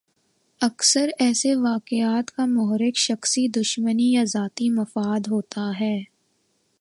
اکثر ایسے واقعات کا محرک شخصی دشمنی یا ذاتی مفاد ہوتا ہے۔